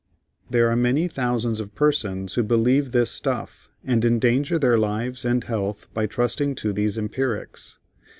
There are many thousands of persons who believe this stuff, and endanger their lives and health by trusting to these empirics.